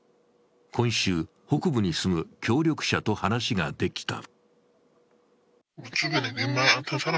今週、北部に住む協力者と話ができた。